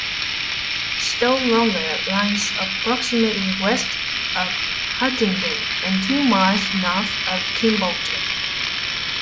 Stow Longa lies approximately west of Huntingdon and two miles north of Kimbolton.